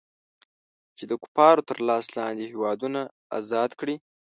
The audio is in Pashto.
چې د کفارو تر لاس لاندې هېوادونه ازاد کړي.